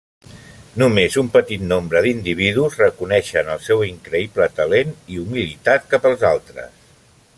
Només un petit nombre d'individus reconeixen el seu increïble talent i humilitat cap als altres.